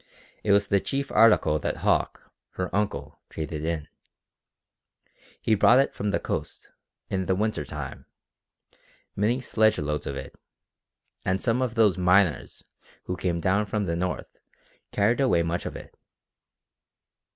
It was the chief article that Hauck, her uncle, traded in. He brought it from the coast, in the winter time many sledge loads of it; and some of those "miners" who came down from the north carried away much of it.